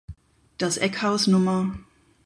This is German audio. Das Eckhaus Nr.